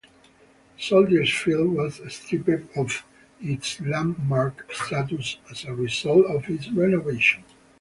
Soldier Field was stripped of its landmark status as a result of its renovation.